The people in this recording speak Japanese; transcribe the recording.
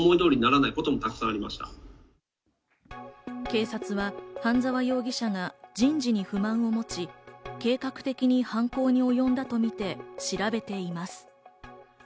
警察は半沢容疑者が人事に不満を持ち、計画的に犯行におよんだとみて調べています。